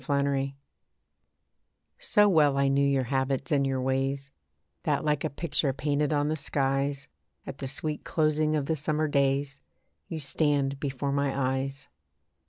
ESTRANGED So well I knew your habits and your ways, That like a picture painted on the skies, At the sweet closing of the summer days, You stand before my eyes.